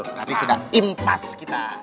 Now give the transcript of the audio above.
berarti sudah impas kita